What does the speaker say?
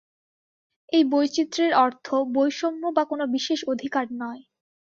এই বৈচিত্র্যের অর্থ বৈষম্য বা কোন বিশেষ অধিকার নয়।